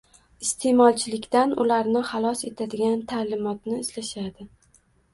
iste’molchilikdan ularni xalos etadigan ta’limotni izlashadi